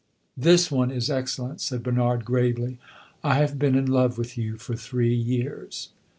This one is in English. "This one is excellent," said Bernard, gravely. "I have been in love with you for three years."